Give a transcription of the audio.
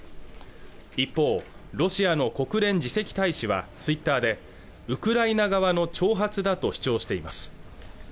一方ロシアの国連次席大使はツイッターでウクライナ側の挑発だと主張しています